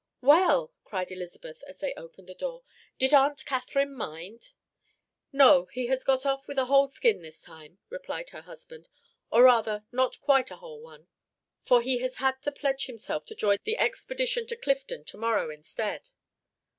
"Well!" cried Elizabeth, as they opened the door, "did Aunt Catherine mind?" "No, he has got off with a whole skin this time," replied her husband, "or rather, not quite a whole one, for he has had to pledge himself to join the expedition to Clifton to morrow instead."